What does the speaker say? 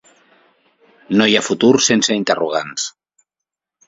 No hi ha futur sense interrogants.